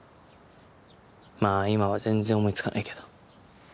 まぁ今は全然思い付かないけど。